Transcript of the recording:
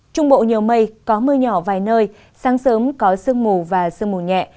trung bộ nhiều mây có mưa nhỏ vài nơi sáng sớm có sương mù và sương mù nhẹ